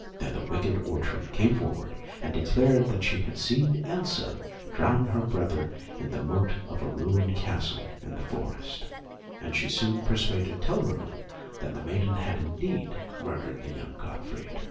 Then the wicked Ortrud came forward and declared that she had seen Elsa drown her brother in the moat of a ruined castle in the forest; and she soon persuaded Telramund that the maiden had indeed murdered the young Gottfried.